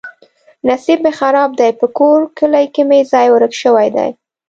نصیب مې خراب دی. په کور کلي کې مې ځای ورک شوی دی.